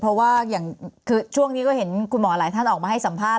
เพราะว่าอย่างคือช่วงนี้ก็เห็นคุณหมอหลายท่านออกมาให้สัมภาษ